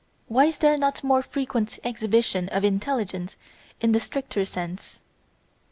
Why is there not more frequent exhibition of intelligence in the stricter sense?